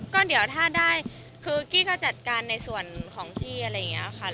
ก็เดี๋ยวถ้าได้คือกี้ก็จัดการในส่วนของพี่อะไรอย่างนี้ค่ะ